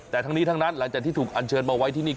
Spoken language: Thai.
แต่ทั้งนี้ทั้งนั้นหลังจากที่ถูกอันเชิญมาไว้ที่นี่